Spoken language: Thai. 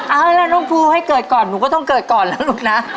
เอาล่ะน้องภูให้เกิดก่อนหนูก็ต้องเกิดก่อนแล้วลูกนะ